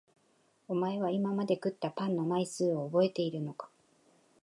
お前は今まで食ったパンの枚数を覚えているのか？